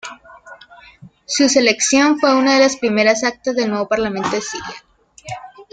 Su selección fue una de las primeras actas del nuevo Parlamento de Siria.